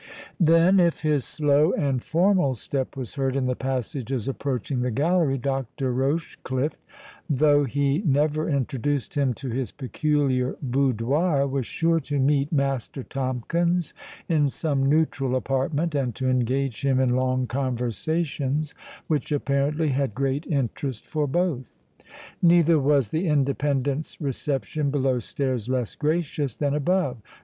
Then, if his slow and formal step was heard in the passages approaching the gallery, Dr. Rochecliffe, though he never introduced him to his peculiar boudoir, was sure to meet Master Tomkins in some neutral apartment, and to engage him in long conversations, which apparently had great interest for both. Neither was the Independent's reception below stairs less gracious than above.